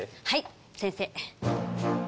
はい先生。